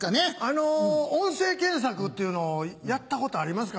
あの音声検索っていうのをやったことありますか？